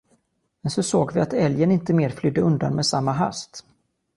Men så såg vi, att älgen inte mer flydde undan med samma hast.